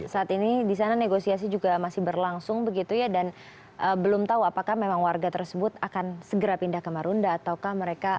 saat ini di sana negosiasi juga masih berlangsung begitu ya dan belum tahu apakah memang warga tersebut akan segera pindah ke marunda ataukah mereka